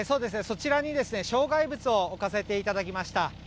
そちらに障害物を置かせていただきました。